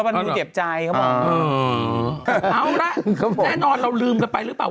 เอาล่ะแน่นอนเราลืมกันไปรึเปล่า